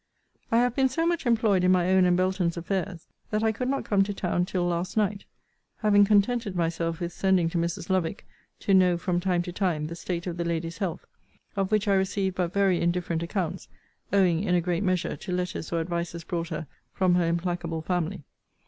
I have been so much employed in my own and Belton's affairs, that I could not come to town till last night; having contented myself with sending to Mrs. Lovick, to know, from time to time, the state of the lady's health; of which I received but very indifferent accounts, owing, in a great measure, to letters or advices brought her from her implacable family.